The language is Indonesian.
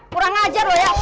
kurang ajar lu ya